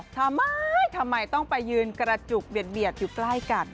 ทำไมทำไมต้องไปยืนกระจุกเบียดอยู่ใกล้กัน